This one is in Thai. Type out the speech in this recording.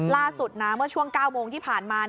ล่าสุดนะเมื่อช่วง๙โมงที่ผ่านมา